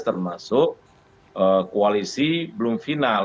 termasuk koalisi belum final